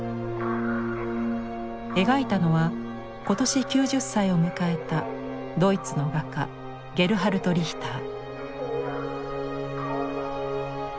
描いたのは今年９０歳を迎えたドイツの画家ゲルハルト・リヒター。